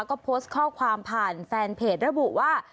ก็โพสต์ข้อความผ่านแฟนเพจระบุว่า